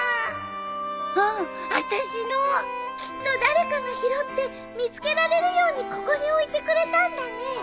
きっと誰かが拾って見つけられるようにここに置いてくれたんだね。